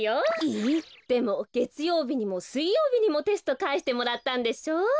でもげつようびにもすいようびにもテストかえしてもらったんでしょ？